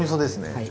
はい。